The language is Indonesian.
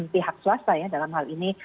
pihak swasta ya dalam hal ini